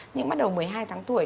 nhưng bắt đầu một mươi hai tháng tuổi